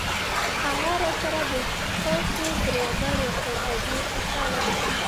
هغه راسره ښه تود روغبړ وکړ او ډېر خوشاله شو.